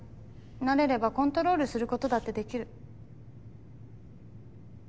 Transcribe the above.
慣れればコントロールすることだってできる。